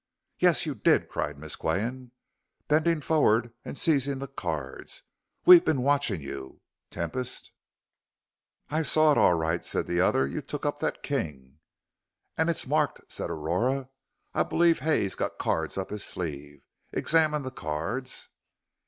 "Yes, you did," cried Miss Qian, bending forward and seizing the cards; "we've been watching you. Tempest " "I saw it all right," said the other. "You took up that king " "And it's marked," said Aurora. "I believe Hay's got cards up his sleeve. Examine the cards."